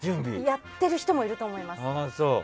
やってる人もいると思います。